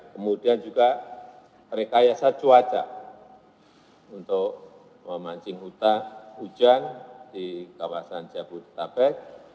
kemudian juga rekayasa cuaca untuk memancing hujan di kawasan jabodetabek